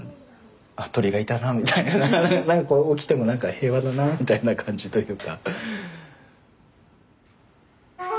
あっ鳥がいたなみたいな何かこう起きても何か平和だなみたいな感じというか。